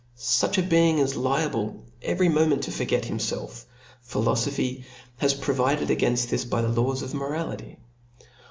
Such a being is liable every moment to forget himfeif ; philofophy has provided againft this by the Jaws of morality.